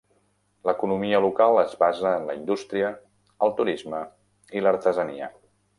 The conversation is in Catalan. L'economia local es basa en la indústria, el turisme i l'artesania.